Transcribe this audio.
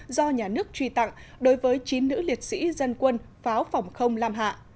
do nhà nước truy tặng đối với chín nữ liệt sĩ dân quân pháo phòng không lam hạ